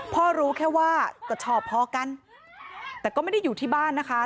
รู้แค่ว่าก็ชอบพอกันแต่ก็ไม่ได้อยู่ที่บ้านนะคะ